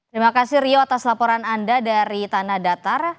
terima kasih rio atas laporan anda dari tanah datar